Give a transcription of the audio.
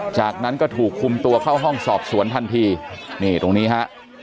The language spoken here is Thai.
จากนั้นก็ถูกคุมตัวเข้าห้องสอบสวนทันทีนี่ตรงนี้ฮะ